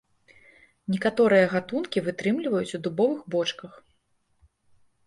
Некаторыя гатункі вытрымліваюць ў дубовых бочках.